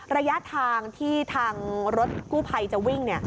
ระยะทางที่ทางรถกู้ภัยจะวิ่ง